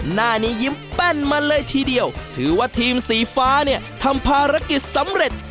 หน้านี้ยิ้มแป้นมาเลยทีเดียวถือว่าทีมสีฟ้าเนี่ยทำภารกิจสำเร็จ